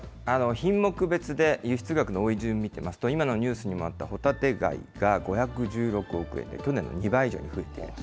品目別で輸出額の多い順を見てみますと、今のニュースにもあったホタテ貝が５１６億円で、去年の２倍以上に増えています。